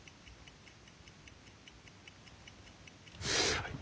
はい。